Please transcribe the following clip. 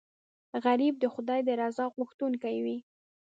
غریب د خدای د رضا غوښتونکی وي